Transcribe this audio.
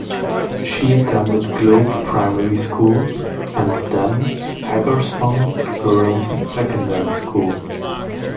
She attended Globe Primary School and then Haggerston Girls Secondary School.